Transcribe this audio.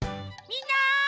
みんな！